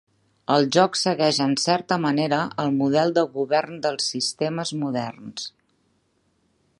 El joc segueix en certa manera el model de govern dels sistemes moderns.